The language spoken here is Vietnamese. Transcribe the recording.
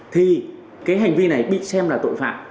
thì cái hành vi này bị xem là tội phạm